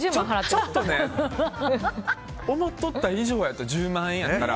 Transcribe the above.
ちょっと思っとった以上やわ１０万円やったら。